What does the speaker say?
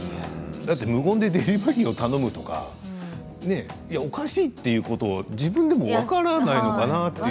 無言でデリバリーを頼むとかおかしいということを自分でも分からないのかなって。